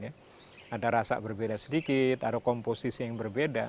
ada rasa berbeda sedikit ada komposisi yang berbeda